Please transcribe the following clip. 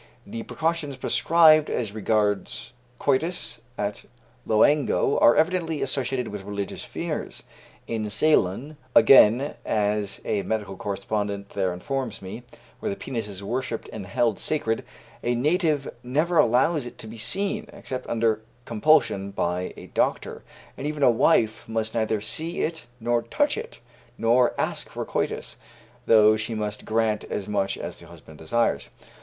The precautions prescribed as regards coitus at Loango are evidently associated with religious fears. In Ceylon, again (as a medical correspondent there informs me), where the penis is worshipped and held sacred, a native never allows it to be seen, except under compulsion, by a doctor, and even a wife must neither see it nor touch it nor ask for coitus, though she must grant as much as the husband desires.